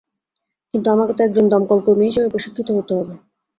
কিন্তু আমাকে তো একজন দমকলকর্মী হিসেবে প্রশিক্ষিত হতে হবে।